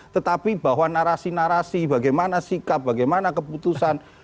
tetapi bahwa narasi narasi bagaimana sikap bagaimana keputusan